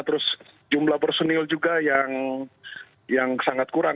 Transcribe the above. terus jumlah personil juga yang sangat kurang